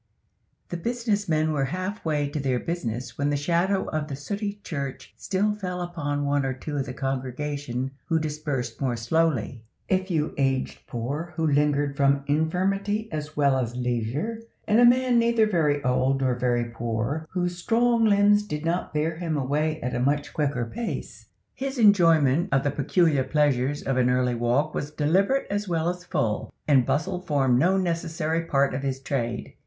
THE business men were half way to their business when the shadow of the sooty church still fell upon one or two of the congregation who dispersed more slowly; a few aged poor who lingered from infirmity as well as leisure; and a man neither very old nor very poor, whose strong limbs did not bear him away at a much quicker pace. His enjoyment of the peculiar pleasures of an early walk was deliberate as well as full, and bustle formed no necessary part of his trade.